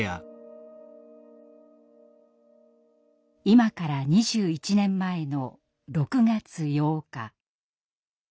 今から２１年前の６月８日。